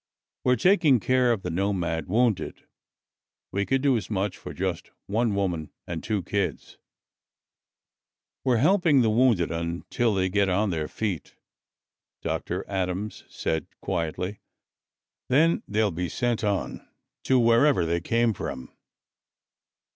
"We're taking care of the nomad wounded! We could do as much for just one woman and two kids!" "We're helping the wounded until they get on their feet," Dr. Adams said quietly. "Then they'll be sent on to wherever they came from."